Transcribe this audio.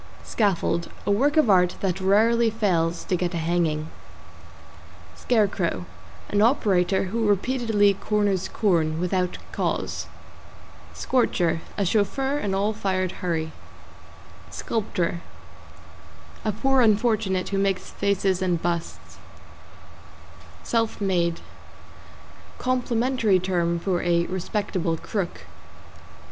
=SCAFFOLD= A work of art that rarely fails to get a hanging. =SCARECROW= An operator who repeatedly corners corn, without caws. =SCORCHER= A chauffeur in an all fired hurry. =SCULPTOR= A poor unfortunate who makes faces and busts. =SELF MADE= Complimentary term for a respectable crook.